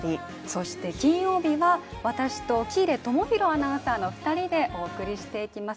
そして金曜日は、私と喜入友浩アナウンサーの２人でお送りしていきます。